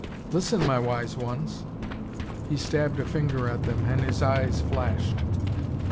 Listen my Wise Ones " He stabbed a finger at them, and his eyes flashed.